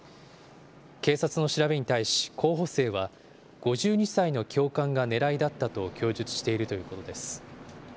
警察の調べに対し、候補生は、５２歳の教官が狙いだったと供述しているということです。